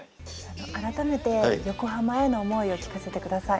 改めて横浜への思いを聞かせてください。